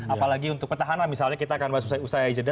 apalagi untuk petahanan misalnya kita akan bahas usaha yajeda